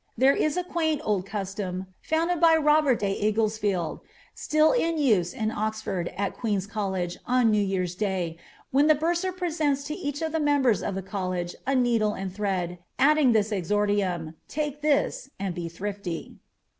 There is a quaint old custom, founded by Robert de El^lesfield, still in use in Oxford, at Queen's College, on New year's day, irhen the bursar presents to each of the members of the college a needle and thread, adding this exordium — ••Take this, and be tliriny.